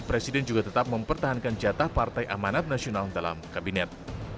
presiden juga tetap mempertahankan jatah partai amanat nasional dalam kabinet